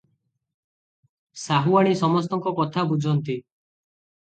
ସାହୁଆଣୀ ସମସ୍ତଙ୍କ କଥା ବୁଝନ୍ତି ।